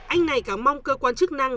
anh này cám mong cơ quan chức năng